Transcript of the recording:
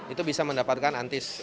itu bisa mendapatkan antis